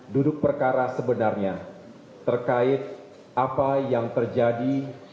duduk perkara sebenarnya terkait apa yang terjadi